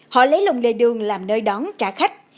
họ lấy lòng lề đường làm nơi đón trả khách